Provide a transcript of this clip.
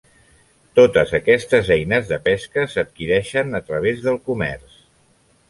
Totes aquestes eines de pesca s'adquireixen a través del comerç.